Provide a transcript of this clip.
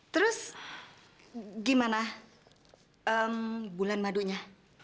terus gimana bulan madunya